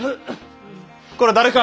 これ誰か！